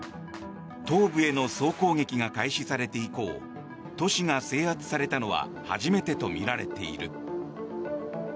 東部への総攻撃が開始されて以降都市が制圧されたのは初めてとみられている。